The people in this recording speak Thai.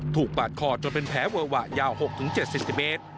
ปาดคอจนเป็นแผลเวอะวะยาว๖๗เซนติเมตร